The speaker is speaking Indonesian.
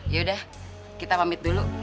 ya udah kita pamit dulu